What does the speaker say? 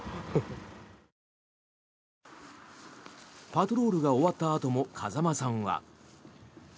パトロールが終わったあとも風間さんは。